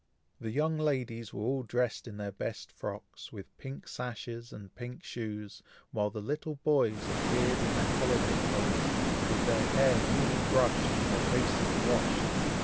The young ladies were all dressed in their best frocks, with pink sashes, and pink shoes; while the little boys appeared in their holiday clothes, with their hair newly brushed, and their faces washed.